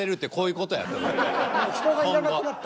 人がいらなくなった？